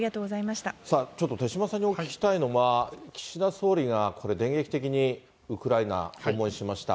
さあ、ちょっと手嶋さんにお聞きしたいのは、岸田総理が電撃的にウクライナ訪問しました。